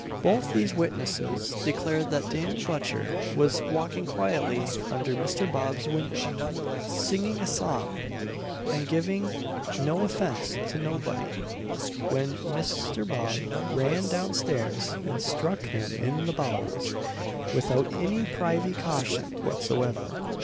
Both these witnesses declared that Dan Butcher was walking quietly under Mr. Bob's window, singing a song, and "giving no offence to nobody," when Mr. Bob ran down stairs, and struck him in the bowels "without any privy cation whatsoever."